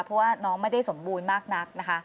เพราะว่าน้องไม่ได้สมบูรณ์มากนักนะคะ